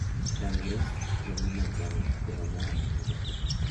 La aridez domina al llano, pero no a la montaña.